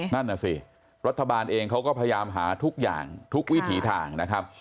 นั่นน่ะสิรัฐบาลเองเขาก็พยายามหาทุกอย่างทุกวิถีทางนะครับ